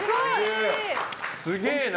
すげえな。